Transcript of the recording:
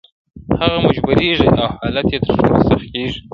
• هغه مجبورېږي او حالت يې تر ټولو سخت کيږي,